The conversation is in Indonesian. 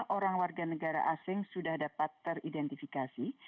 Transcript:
lima orang warga negara asing sudah dapat teridentifikasi